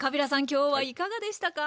今日はいかがでしたか？